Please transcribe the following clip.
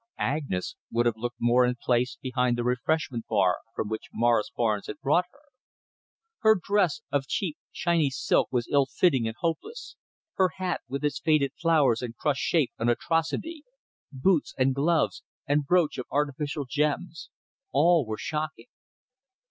Agnes would have looked more in place behind the refreshment bar from which Morris Barnes had brought her. Her dress of cheap shiny silk was ill fitting and hopeless, her hat with its faded flowers and crushed shape an atrocity, boots and gloves, and brooch of artificial gems all were shocking.